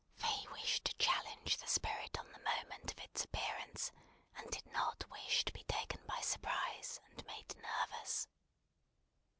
For he wished to challenge the Spirit on the moment of its appearance, and did not wish to be taken by surprise, and made nervous.